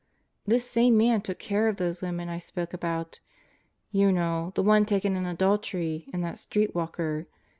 This same Man took care of those women I spoke about. You know: the one taken in adultery and that street walker.